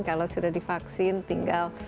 kalau sudah divaksin tinggal